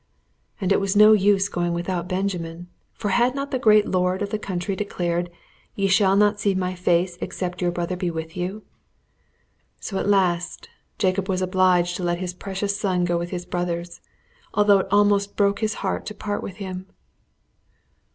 And it was no use going without Benjamin, for had not the great lord of the country declared, "Ye shall not see my face except your brother be with you." So at last Jacob was obliged to let his precious son go with his brothers, although it almost broke his heart to part with him.